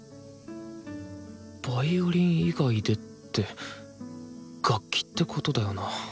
ヴァイオリン以外でって楽器ってことだよな